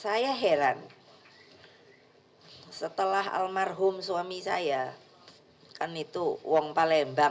saya heran setelah almarhum suami saya kan itu uang palembang